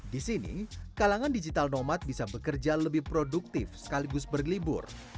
di sini kalangan digital nomad bisa bekerja lebih produktif sekaligus berlibur